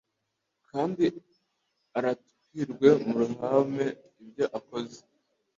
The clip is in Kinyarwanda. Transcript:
kandi aratirwe mu ruhame ibyo yakoze